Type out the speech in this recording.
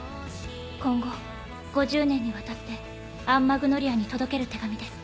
今後５０年にわたってアン・マグノリアに届ける手紙です。